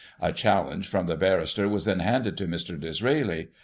A challenge from the barrister was then handed to Mr. Disraeli.